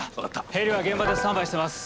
ヘリは現場でスタンバイしてます。